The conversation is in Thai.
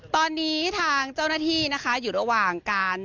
ตอนนี้ทางเจ้าหน้าที่นะคะอยู่ระหว่างการ